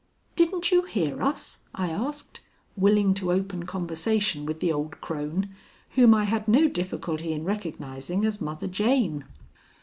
"Didn't you hear us?" I asked, willing to open conversation with the old crone, whom I had no difficulty in recognizing as Mother Jane.